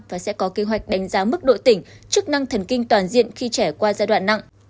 và sẽ có kế hoạch đánh giá mức độ tỉnh chức năng thần kinh toàn diện khi trẻ qua giai đoạn nặng